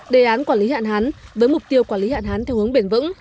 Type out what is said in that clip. đề án quản lý hạn hán với mục tiêu quản lý hạn hán theo hướng bền vững